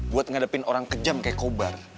buat ngadepin orang kejam kayak kobar